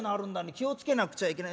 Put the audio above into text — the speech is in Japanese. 気を付けなくちゃいけない。